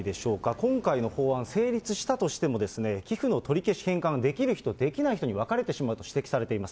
今回の法案、成立したとしても、寄付の取り消し、返還ができる人、できない人に分かれてしまうと指摘されています。